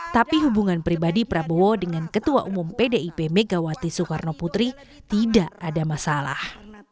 tapi hubungan pribadi prabowo dengan ketua umum pdip megawati soekarno putri tidak ada masalah